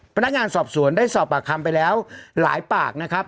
พนักงานสอบสวนได้สอบปากคำไปแล้วหลายปากนะครับ